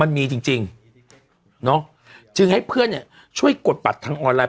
มันมีจริงจริงเนาะจึงให้เพื่อนเนี่ยช่วยกดปัดทางออนไลน